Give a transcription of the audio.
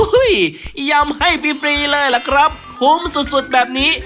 ยำให้ฟรีเลยล่ะครับคุ้มสุดแบบนี้